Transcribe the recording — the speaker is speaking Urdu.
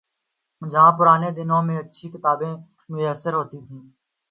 جہاں پرانے دنوں میں اچھی کتابیں میسر ہوتی تھیں۔